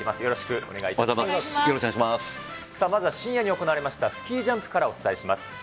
よろしまずは深夜に行われました、スキージャンプからお伝えします。